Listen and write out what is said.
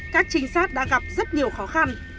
các trinh sát đã gặp rất nhiều khó khăn